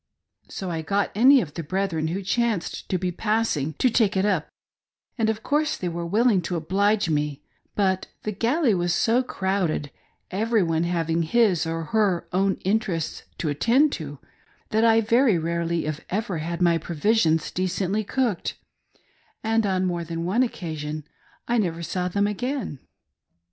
So I got any of the brethren who chanced to be pass ing to take it up, and of course they were willing to oblige me ; but the galley was so crowded — every one having his or her own interests to attend to — that I very rarely, if ever, had my provisions decently cooked, and on more than one occa ^ sion I never saw them again.